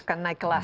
akan naik kelas